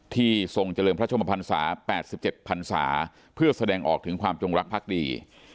ทรงเจริญพระชมพันศา๘๗พันศาเพื่อแสดงออกถึงความจงรักภักดี